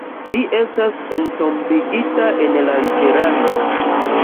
Li estas entombigita en la Laterano.